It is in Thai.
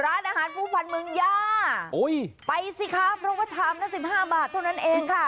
ร้านอาหารผู้พันธ์เมืองย่าไปสิคะเพราะว่าชามละสิบห้าบาทเท่านั้นเองค่ะ